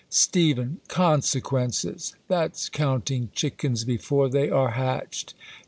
Steph, Consequences ! that's counting chickens be fore they are hatched.